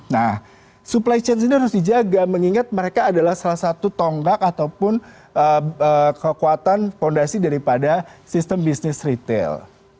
nah supply chain ini harus dijaga mengingat mereka adalah salah satu tonggak ataupun kekuatan fondasi daripada sistem bisnis retail